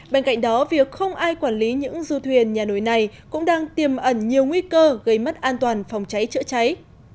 bên cạnh đó việc không ai quản lý những du thuyền nhà nổi này cũng đang tiềm ẩn nhiều nguy cơ gây mất an toàn phòng cháy chữa cháy